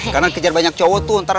karena kejar banyak cowok tuh